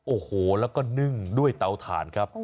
โอ้โหแล้วก็นึ่งด้วยเตาถ่านครับ